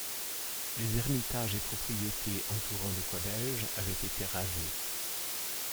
Les ermitages et propriétés entourant le collège avaient été rasés.